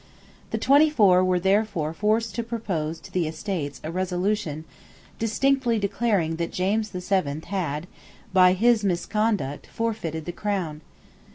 The Twenty Four were therefore forced to propose to the Estates a resolution distinctly declaring that James the Seventh had by his misconduct forfeited the crown.